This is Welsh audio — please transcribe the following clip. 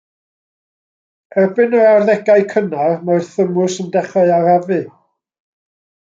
Erbyn yr arddegau cynnar, mae'r thymws yn dechrau arafu.